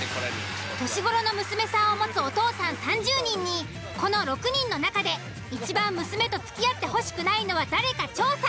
年頃の娘さんを持つお父さん３０人にこの６人の中でいちばん娘と付き合ってほしくないのは誰か調査。